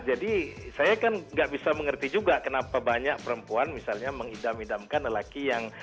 jadi saya kan enggak bisa mengerti juga kenapa banyak perempuan misalnya mengidam idamkan laki yang